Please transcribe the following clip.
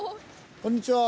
こんにちは。